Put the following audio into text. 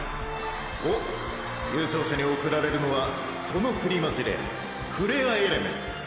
そう優勝者に贈られるのはそのプリマジレアフレアエレメンツ。